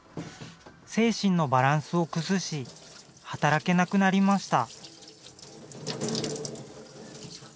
精神のバランスを崩し働けなくなりました。